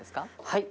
はい。